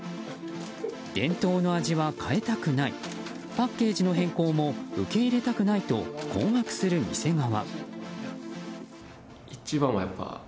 伝統の味は、変えたくないパッケージの変更も受け入れたくないと困惑する店側。